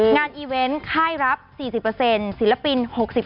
งานอีเว้นค่ายรับ๔๐ศิลปิน๖๐